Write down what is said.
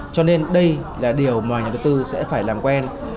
cho nên đây là điều mà nhà đầu tư sẽ phải làm quen